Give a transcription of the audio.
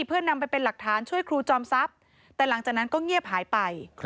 เพื่อนำไปเป็นหลักฐานช่วยครูจอมทรัพย์แต่หลังจากนั้นก็เงียบหายไป